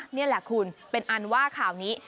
นี่แหละคุณเป็นอันว่าข่าวนี้